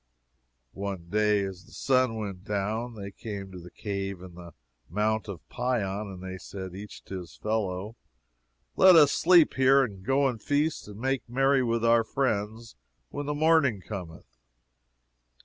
One day as the sun went down, they came to the cave in the Mount of Pion, and they said, each to his fellow, Let us sleep here, and go and feast and make merry with our friends when the morning cometh.